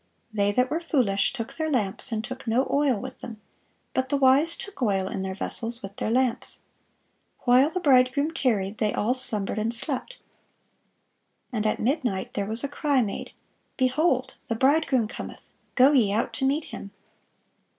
They that were foolish took their lamps, and took no oil with them: but the wise took oil in their vessels with their lamps. While the bridegroom tarried, they all slumbered and slept. And at midnight there was a cry made, Behold, the bridegroom cometh; go ye out to meet him."